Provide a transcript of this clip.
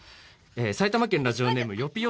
埼玉県ラジオネームよぴよ